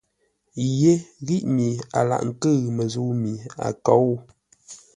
Yé ghíʼ mi a laghʼ ńkʉ̂ʉ məzə̂u mi a kôu.